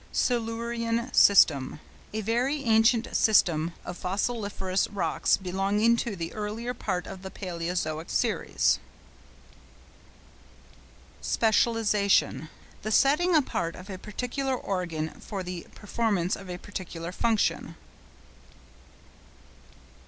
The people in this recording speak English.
SILURIAN SYSTEM.—A very ancient system of fossiliferous rocks belonging to the earlier part of the Palæozoic series. SPECIALISATION.—The setting apart of a particular organ for the performance of a particular function.